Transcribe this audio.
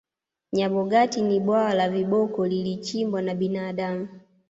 nyabogati ni bwawa la viboko lilichimbwa na binadamu